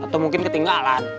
atau mungkin ketinggalan